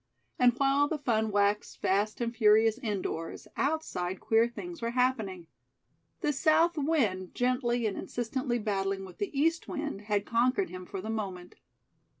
And while the fun waxed fast and furious indoors, outside queer things were happening. The South wind, gently and insistently battling with the East wind, had conquered him for the moment.